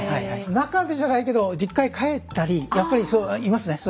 中でじゃないけど実家へ帰ったりやっぱりいますね。